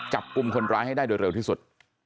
จับกลุ่มคนร้ายให้ได้โดยเร็วที่สุด